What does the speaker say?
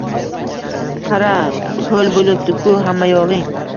Qara, ho‘l bo‘libdi-ku… hammayog‘ing.